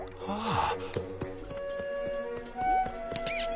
ああ！